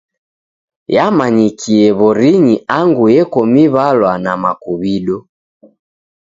Yamanyikie w'orinyi angu eko miw'alwa na makuw'ido.